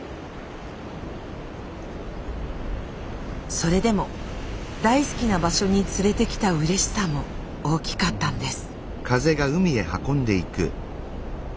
それでも大好きな場所に連れてきたうれしさも大きかったんです。